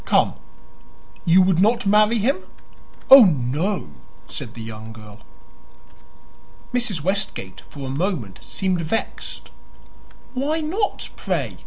"Come; you would not marry him?" "Oh, no," said the young girl. Mrs. Westgate for a moment seemed vexed. "Why not, pray?"